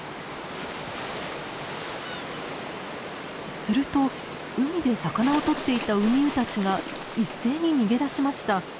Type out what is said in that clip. すると海で魚をとっていたウミウたちが一斉に逃げ出しました。